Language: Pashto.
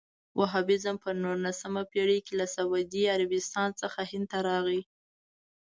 وهابیزم په نولسمه پېړۍ کې له سعودي عربستان څخه هند ته راغی.